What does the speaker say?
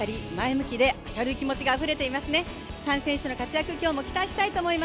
この辺り前向きで明るい気持ちがあふれていますね。